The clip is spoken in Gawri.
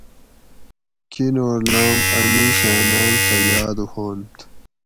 کینور لام اۤ مِیش آۤں ناۤم سہۤ یاۤد ہوانت